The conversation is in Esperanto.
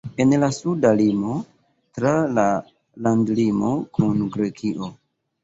En la suda limo tra la landlimo kun Grekio.